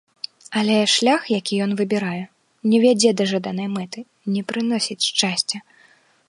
Але шлях, які ён выбірае, не вядзе да жаданай мэты, не прыносіць шчасця.